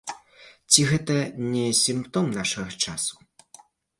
Ці гэта не сімптом нашага часу?